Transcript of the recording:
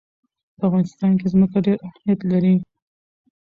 په افغانستان کې ځمکه ډېر اهمیت لري.